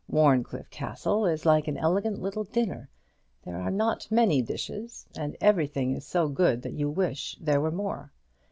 Warncliffe Castle is like an elegant little dinner; there are not many dishes, and everything is so good that you wish there were more.